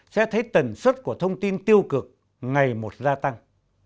sẽ thấy tần suất của thông tin tiêu cực ngày một gia tăng